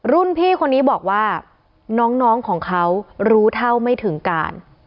รุ่นพี่คนนี้บอกว่าน้องของเขารู้เท่าไม่ถึงการ